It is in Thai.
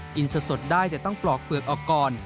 สดได้แต่ต้องปลอกเปลือกออกก่อน